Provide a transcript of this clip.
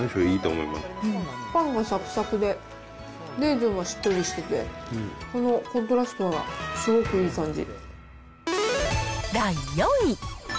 パンがさくさくで、レーズンはしっとりしてて、このコントラストがすごくいい感じ。